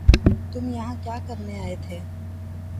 تم یہاں کیا کرنے آئے تھے